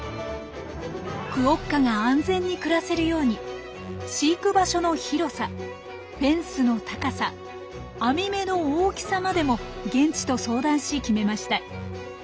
クオッカが安全に暮らせるように飼育場所の広さフェンスの高さ網目の大きさまでも現地と相談し決めました。